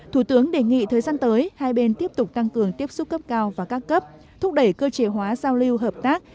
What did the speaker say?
thủ tướng đề nghị thời gian tới hai bên tiếp tục tăng cường tiếp xúc cấp cao và các cấp thúc đẩy cơ chế hóa giao lưu hợp tác